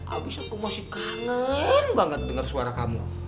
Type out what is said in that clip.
abis aku masih kangen banget dengar suara kamu